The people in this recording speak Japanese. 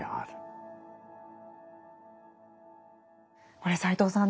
これ斎藤さん